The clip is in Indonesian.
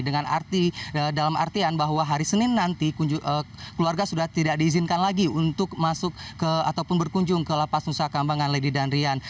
dengan arti dalam artian bahwa hari senin nanti keluarga sudah tidak diizinkan lagi untuk masuk ataupun berkunjung ke lapas nusa kambangan lady dan rian